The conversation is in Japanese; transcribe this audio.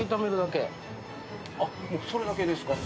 あっもうそれだけですか。